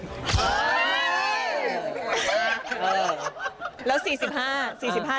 หรือแบบนี้หลักสองมา